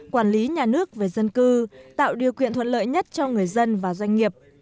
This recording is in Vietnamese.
quản lý nhà nước về dân cư tạo điều kiện thuận lợi nhất cho người dân và doanh nghiệp